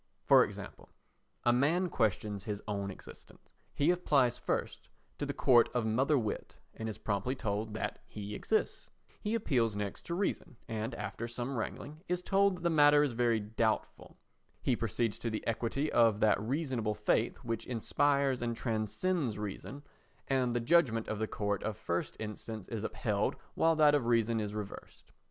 For example: A man questions his own existence; he applies first to the court of mother wit and is promptly told that he exists; he appeals next to reason and, after some wrangling, is told that the matter is very doubtful; he proceeds to the equity of that reasonable faith which inspires and transcends reason, and the judgment of the court of first instance is upheld while that of reason is reversed.